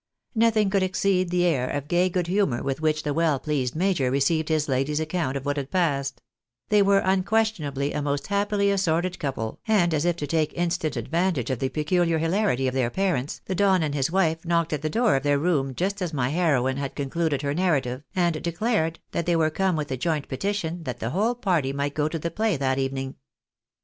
Nothing could exceed the air of gay good humour with which the well pleased major received his lady's account of what had passed ; they were unquestionably a most happily assorted couple, and as if to take instant advantage of the peculiar hilarity of their parents, the Don and his wife knocked at the door of their room just as my heroine had concluded her narrative, and declared that they were come with a joint petition that the whole party might go to the play that evening.